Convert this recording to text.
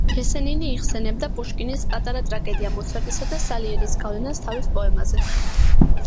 ესენინი იხსენებდა პუშკინის „პატარა ტრაგედია“ მოცარტისა და სალიერის გავლენას თავის პოემაზე.